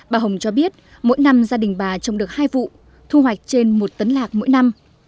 bà hồng cho biết mỗi năm gia đình bà trồng được hai vụ thu hoạch trên một tấn lạc mỗi năm